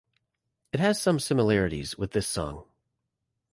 It has some similarities with this song.